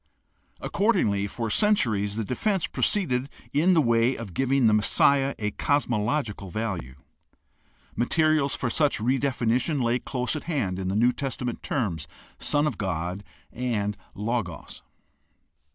Accordingly, for centuries the defense proceeded in the way of giving the Messiah a cos mological value. Materials for such redefinition lay close at hand in the New Testament terms "Son of God" and "Logos."